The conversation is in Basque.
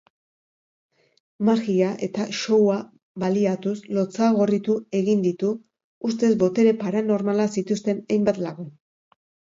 Magia eta showa baliatuz lotsagorritu egin ditu ustez botere paranormalak zituzten hainbat lagun.